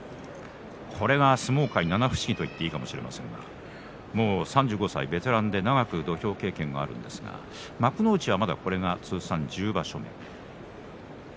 これが相撲界七不思議と言っていいかもしれませんがもう３５歳ベテランで長く土俵経験があるんですが幕内がまだこれが通算１０場所目。